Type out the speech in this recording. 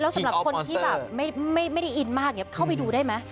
แล้วสำหรับคนที่แบบไม่ได้อินมากเข้าไปดูได้มั้ย